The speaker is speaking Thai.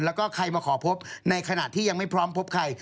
แล้วก็ใครมาขอพบในขณะที่ยังไม่พร้อมพบใคร